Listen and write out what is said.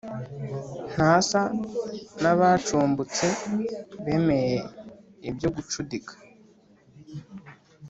Ntasa n'abacubutse Bemeye ibyo gucudika